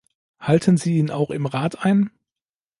Halten Sie ihn auch im Rat ein!